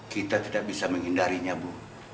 kita tidak bisa menghindarinya bu